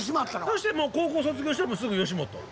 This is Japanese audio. そして高校卒業してもうすぐ吉本？